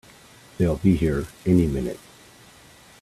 They'll be here any minute!